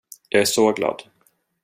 Jag är så glad.